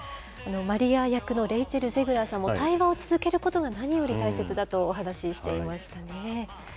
マリア役のレイチェル・ゼグラーさんも、対話を続けることが何より大切だとお話ししていましたね。